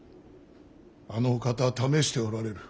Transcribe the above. あのお方は試しておられる。